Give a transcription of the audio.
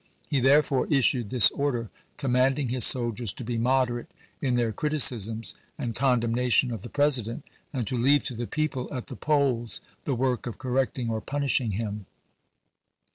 He therefore issued this order com manding his soldiers to be moderate in their criti cisms and condemnation of the President, and to leave to the people at the polls the work of correct ing or punishing him.